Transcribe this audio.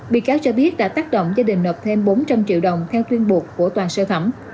bị cáo cho biết đã tác động gia đình nộp thêm bốn trăm linh triệu đồng theo tuyên bố của toàn sơ thẩm